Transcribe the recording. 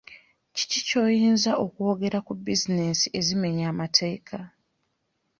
Kiki ky'oyinza okwogera ku bizinensi ezimenya amateeka?